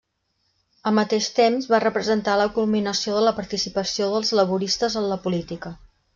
Al mateix temps, va representar la culminació de la participació dels laboristes en la política.